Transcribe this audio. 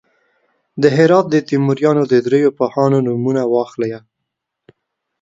د هرات د تیموریانو د دریو پوهانو نومونه واخلئ.